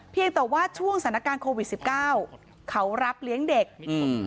เพียงแต่ว่าช่วงสถานการณ์โควิดสิบเก้าเขารับเลี้ยงเด็กอืม